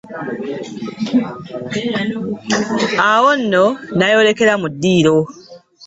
Awo nno nayolekera mu ddiiro.